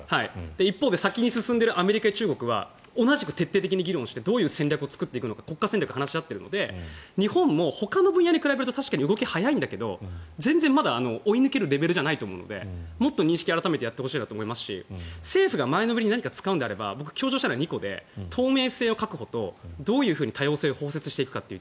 先に進んでいるアメリカや中国は同じく徹底的に議論してどう進めていくか国家戦略としているので日本もほかの分野に比べると確かに動きは早いんだけど追い抜けるレベルじゃないと思うのでもっと認識を改めてやってもらいたいと思いますし政府が前のめりに使うのであれば強調したいのは２個で透明性を確保とどういうふうに多様性を包摂するか。